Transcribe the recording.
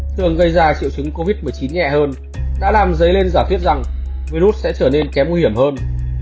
thường gây ra triệu chứng covid một mươi chín nhẹ hơn đã làm dấy lên giả thuyết rằng virus sẽ trở nên kém nguy hiểm hơn